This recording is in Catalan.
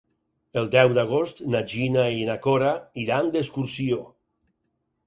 El deu d'agost na Gina i na Cora iran d'excursió.